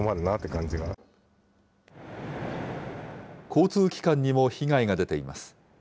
交通機関にも被害が出ています。